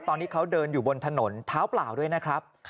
ตอนที่เขาเดินอยู่บนถนนเท้าเปล่าด้วยนะครับ